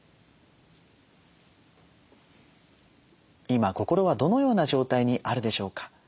今心はどのような状態にあるでしょうか。